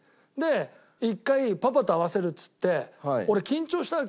１回「パパと会わせる」っつって俺緊張したわけよ。